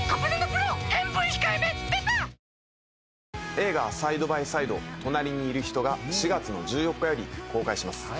映画『サイドバイサイド隣にいる人』が４月の１４日より公開します。